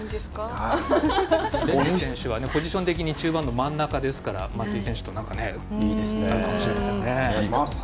ポジション的に中盤の真ん中ですから松井選手と、いいですよね。